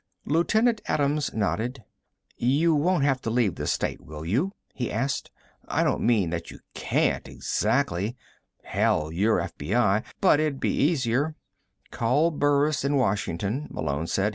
Lieutenant Adams nodded. "You won't have to leave the state, will you?" he asked. "I don't mean that you can't, exactly ... hell, you're FBI. But it'd be easier " "Call Burris in Washington," Malone said.